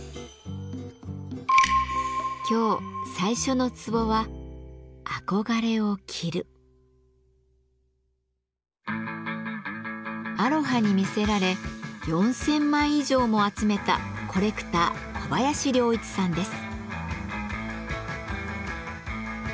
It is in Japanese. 今日最初の壺はアロハに魅せられ４，０００枚以上も集めたコレクター小林亨一さんです。